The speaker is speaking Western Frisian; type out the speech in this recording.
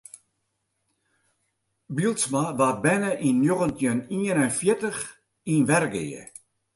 Bylsma waard berne yn njoggentjin ien en fjirtich yn Wergea.